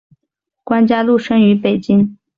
关嘉禄生于北京。